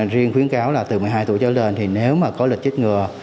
riêng khuyến cáo là từ một mươi hai tuổi trở lên thì nếu mà có lịch chích ngừa